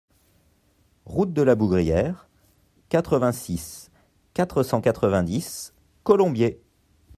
Route de la Bougrière, quatre-vingt-six, quatre cent quatre-vingt-dix Colombiers